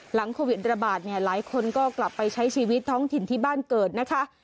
โควิดระบาดเนี่ยหลายคนก็กลับไปใช้ชีวิตท้องถิ่นที่บ้านเกิดนะคะ